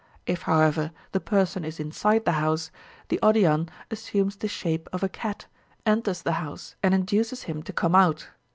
If, however, the person is inside the house, the Odiyan assumes the shape of a cat, enters the house, and induces him to come out.